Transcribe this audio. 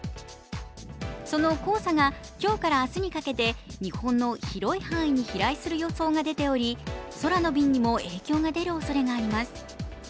その黄砂が今日から明日にかけて日本の広い範囲に飛来する予想が出ており空の便にも影響が出るおそれがあります。